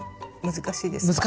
難しいです。